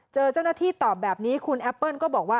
เจอเจ้านาฬิตอบแบบนี้คุณแอปเปิ้ลก็บอกว่า